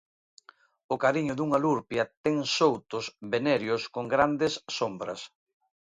O cariño dunha lurpia ten soutos venéreos con grandes sombras.